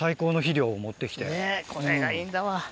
ねっこれがいいんだわ。